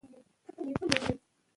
د نجونو تعليم د اعتماد بنسټ ټينګ ساتي.